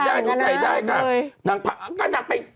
ร้านให้เจ้าของล้างตกใจ